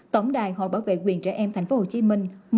tổng đài hội bảo vệ quyền trẻ em tp hcm